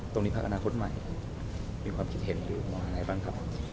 พักอนาคตใหม่มีความคิดเห็นหรือมองอะไรบ้างครับ